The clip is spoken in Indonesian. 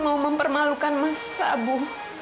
mau mempermalukan mas prabu